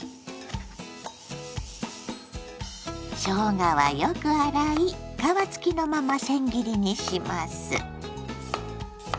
しょうがはよく洗い皮付きのまません切りにします。